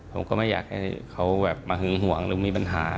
ผมก็ไม่อยากให้เขาแบบมาหึงหวงหรือมีปัญหา